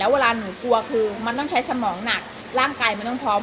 เวลาหนูกลัวคือมันต้องใช้สมองหนักร่างกายมันต้องพร้อม